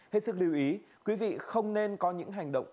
hết sức lưu ý quý vị không nên có những hành động